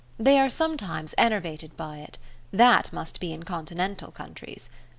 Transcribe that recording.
They are sometimes enervated by it: that must be in continental countries.